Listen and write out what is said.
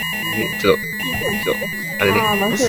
今度のデートは、シルバー人材サポートセンターに行こう。